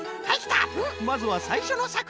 まずはさいしょのさくひん！